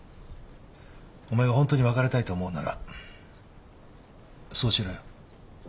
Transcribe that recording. お前がホントに別れたいと思うならそうしろよ。